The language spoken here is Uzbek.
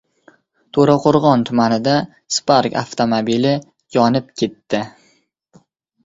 To‘raqo‘rg‘on tumanida "Spark" avtomobili yonib ketdi